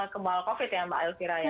kembal covid ya mbak elvira